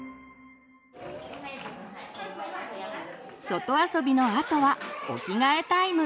外遊びのあとはお着替えタイム。